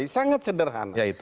sangat sederhana sekali